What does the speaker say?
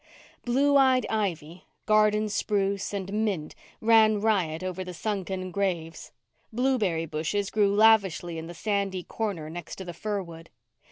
Blue eyed ivy, "garden spruce," and mint ran riot over the sunken graves. Blueberry bushes grew lavishly in the sandy corner next to the fir wood.